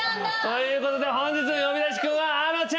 ということで本日の呼び出しクンはあのちゃん！